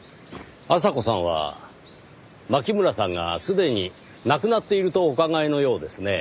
阿佐子さんは牧村さんがすでに亡くなっているとお考えのようですねぇ。